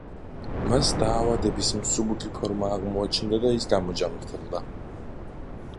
მას დაავადების მსუბუქი ფორმა აღმოაჩნდა და ის გამოჯანმრთელდა.